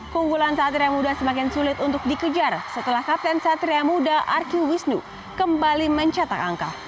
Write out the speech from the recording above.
keunggulan satria muda semakin sulit untuk dikejar setelah kapten satria muda arki wisnu kembali mencetak angka